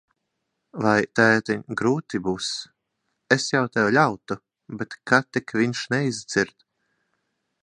Vai, tētiņ, grūti būs. Es jau tev ļautu, bet ka tik viņš neizdzird.